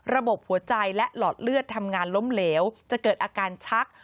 ระบบหัวใจและหลอดเลือดทำงานล้มเหลวจะเกิดอาการชัก